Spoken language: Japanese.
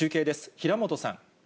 平本さん。